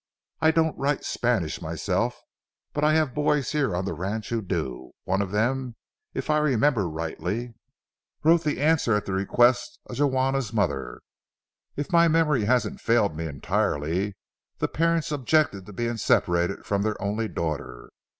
I don't write Spanish myself, but I have boys here on the ranch who do. One of them, if I remember rightly, wrote the answer at the request of Juana's mother. If my memory hasn't failed me entirely, the parents objected to being separated from their only daughter.